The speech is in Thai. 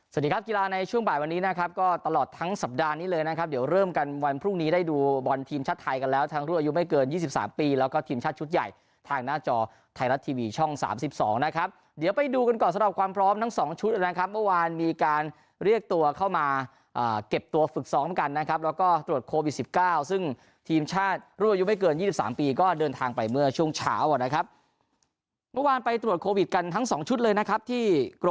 สวัสดีครับกีฬาในช่วงบ่ายวันนี้นะครับก็ตลอดทั้งสัปดาห์นี้เลยนะครับเดี๋ยวเริ่มกันวันพรุ่งนี้ได้ดูบอลทีมชาติไทยกันแล้วทั้งรูอายุไม่เกินยี่สิบสามปีแล้วก็ทีมชาติชุดใหญ่ทางหน้าจอไทยรัฐทีวีช่องสามสิบสองนะครับเดี๋ยวไปดูกันก่อนสำหรับความพร้อมทั้งสองชุดนะครับเมื่อวานมี